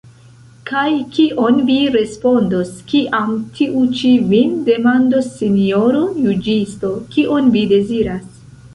Kaj kion vi respondos, kiam tiu ĉi vin demandos sinjoro juĝisto, kion vi deziras?